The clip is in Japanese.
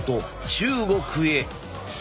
中国へ！